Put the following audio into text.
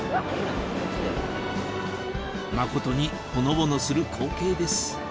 誠にほのぼのする光景です